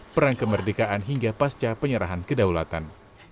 perang kemerdekaan hingga pasca penyerahan kedaulatan